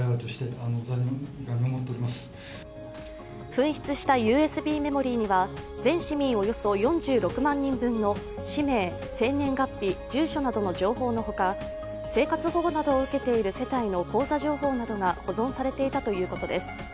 紛失したＵＳＢメモリーには、全市民およそ４６万人分の氏名、生年月日、住所などの情報のほか生活保護などを受けている世帯の口座情報などが保存されていたということです。